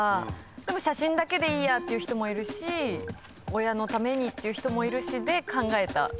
でも写真だけでいいやっていう人もいるし親のためにっていう人もいるしで考えた数字です。